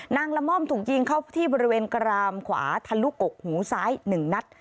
ละม่อมถูกยิงเข้าที่บริเวณกรามขวาทะลุกกหูซ้าย๑นัด